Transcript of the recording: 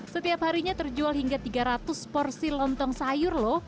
setiap harinya terjual hingga tiga ratus porsi lontong sayur loh